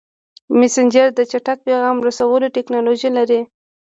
مسېنجر د چټک پیغام رسولو ټکنالوژي لري.